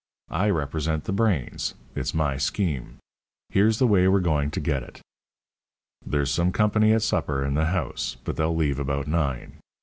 I represent the brains. It's my scheme. Here's the way we're going to get it. There's some company at supper in the house, but they'll leave about nine.